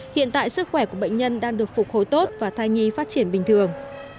hiện tại sức khỏe của bệnh nhân đang được phục hồi tốt và thai nhi phát triển bình thường